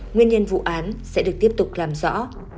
nguyên nhân vụ án sẽ được tiếp tục làm rõ